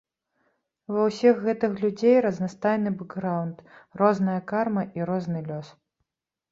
Ва ўсіх гэтых людзей разнастайны бэкграўнд, розная карма і розны лёс.